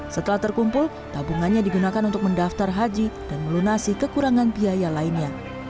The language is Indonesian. setelah terkumpul tabungannya digunakan untuk mendaftar haji dan melunasi kekurangan biaya lainnya